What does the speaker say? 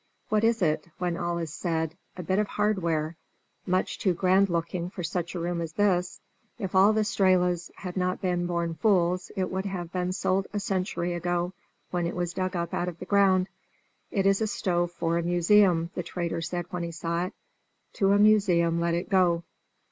What is it, when all is said? a bit of hardware, much too grand looking for such a room as this. If all the Strehlas had not been born fools it would have been sold a century ago, when it was dug up out of the ground. 'It is a stove for a museum,' the trader said when he saw it. 'To a museum let it go.'"